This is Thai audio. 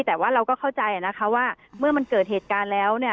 แต่ว่าเราก็เข้าใจนะคะว่าเมื่อมันเกิดเหตุการณ์แล้วเนี่ย